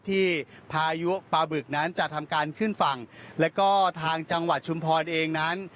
พายุปลาบึกนั้นจะทำการขึ้นฝั่งแล้วก็ทางจังหวัดชุมพรเองนั้น